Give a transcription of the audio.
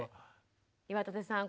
岩立さん